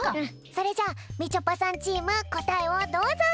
それじゃあみちょぱさんチームこたえをどうぞ！